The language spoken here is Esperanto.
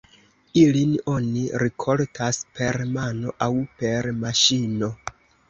Ilin oni rikoltas per mano aŭ per maŝino.